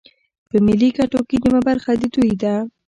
په ملي ګټو کې نیمه برخه د دوی ده